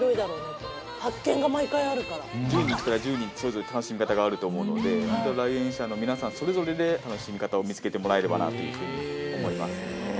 １０人来たら１０人それぞれ楽しみ方があると思うので、来園者の皆さんそれぞれで楽しみ方を見つけてもらえればなと思います。